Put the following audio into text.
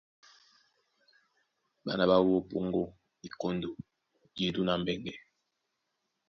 Ɓána ɓá wú ó Póŋgó, Mikóndo, Jedú na Mbɛŋgɛ.